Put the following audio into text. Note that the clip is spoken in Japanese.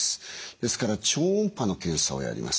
ですから超音波の検査をやります。